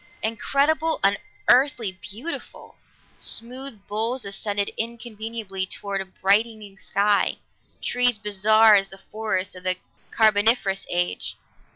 Incredible, unearthly, beautiful! Smooth boles ascended inconceivably toward a brightening sky, trees bizarre as the forests of the Carboniferous age.